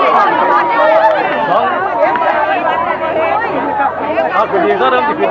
วันนี้ไปหน่อย